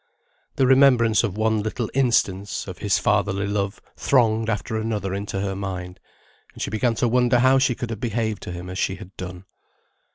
The remembrance of one little instance of his fatherly love thronged after another into her mind, and she began to wonder how she could have behaved to him as she had done.